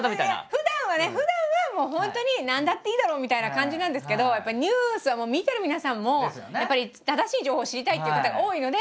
ふだんはねふだんはもう本当に何だっていいだろうみたいな感じなんですけどニュースはもう見てる皆さんもやっぱり正しい情報を知りたいっていう方が多いので。